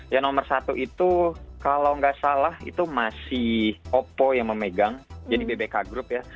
yang nomor satu itu kalau nggak salah itu masih oppo yang memegang jadi gbk group ya